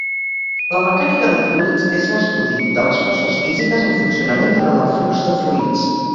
La mecànica de fluids és l'estudi de les forces físiques en funcionament durant el flux de fluids.